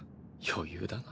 余裕だな。